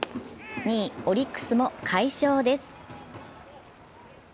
２位・オリックスも快勝です。